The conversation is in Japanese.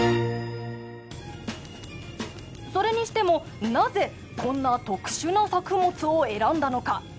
それにしてもなぜこんな特殊な作物を選んだのか。